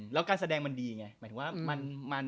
แล้วการแสดงมันดีไง